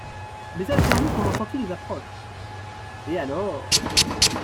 Mais elle a permis qu’on en sentît les approches… et alors…